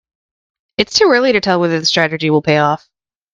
It's too early to tell whether the strategy will pay off.